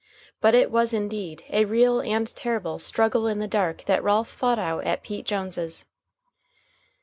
But it was, indeed, a real and terrible "Struggle in the Dark" that Ralph fought out at Pete Jones's.